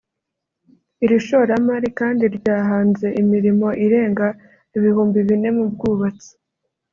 Iri shoramari kandi ryahanze imirimo irenga ibihumbi bine mu bwubatsi